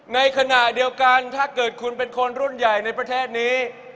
ในขณะเดียวกันถ้าเกิดคุณเป็นคนรุ่นใหญ่ในประเทศนี้